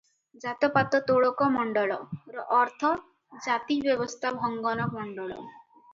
"ଜାତ-ପାତ ତୋଡ଼କ ମଣ୍ଡଳ"ର ଅର୍ଥ ଜାତି ବ୍ୟବସ୍ଥା ଭଙ୍ଗନ ମଣ୍ଡଳ ।"